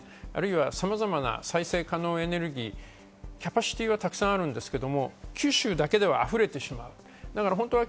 九州なんかは太陽光発電、あるいはさまざまな再生可能エネルギー、キャパシティーはたくさんあるんですけど、九州だけでは溢れてしまう。